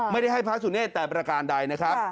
ไม่ได้ให้พระสุเนธแต่ประการใดนะครับ